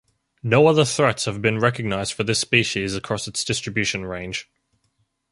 No other threats have been recognized for this species across its distribution range.